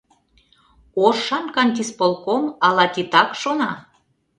ОРШАН КАНТИСПОЛКОМ АЛА ТИТАК ШОНА?